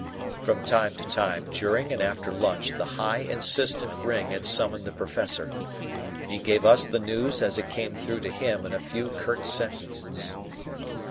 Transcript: From time to time during and after lunch the high, insistent ring had summoned the Professor. He gave us the news as it came through to him in a few curt sentences.